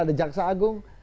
ada jaksa agung